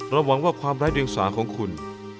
ระวังว่าความร้ายเรียงสาของคุณ